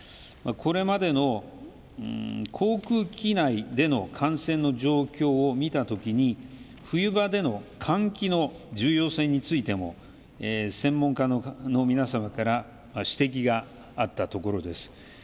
これまでの航空機内での感染の状況を見たときに冬場での換気の重要性についても専門家の皆様から指摘があったところです。